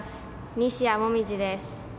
西矢椛です。